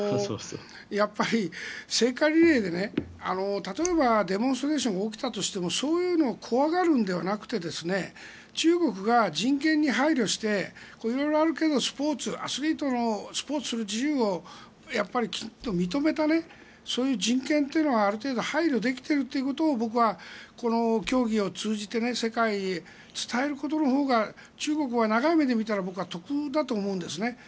やっぱり聖火リレーで例えば、デモンストレーションが起きたとしてもそういうのを怖がるのではなくて中国が人権に配慮して色々あるけどスポーツアスリートのスポーツする自由をやっぱりきちんと認めたそういう人権というのにある程度配慮できているということを僕はこの競技を通じて世界に伝えることのほうが中国は長い目で見たら僕は得だと思うんです。